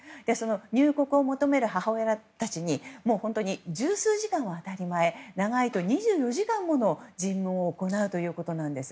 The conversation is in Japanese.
入国を求める母親たちに本当に十数時間は当たり前長いと２４時間もの尋問を行うということです。